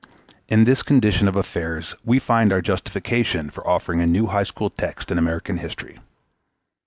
In this condition of affairs we find our justification for offering a new high school text in American history.